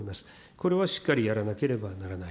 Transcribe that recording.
これはしっかりやらなければならない。